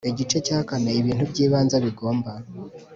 Igice cya kane Ibintu by ibanze bigomba